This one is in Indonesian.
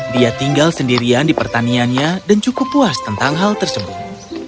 dia tinggal sendirian di pertaniannya dan cukup puas tentang hal tersebut